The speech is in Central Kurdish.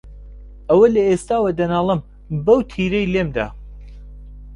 ئەوە لە ئێستاوە دەنالێم، بەو تیرەی لێم دا